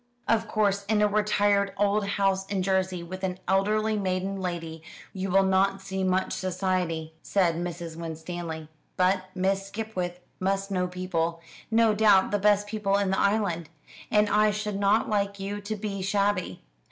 "Of course in a retired old house in Jersey, with an elderly maiden lady, you will not see much society," said Mrs. Winstanley; "but Miss Skipwith must know people no doubt the best people in the island and I should not like you to be shabby.